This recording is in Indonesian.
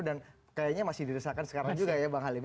dan kayaknya masih dirisakan sekarang juga ya bang halim